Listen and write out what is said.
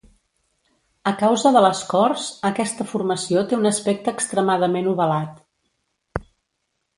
A causa de l'escorç, aquesta formació té un aspecte extremadament ovalat.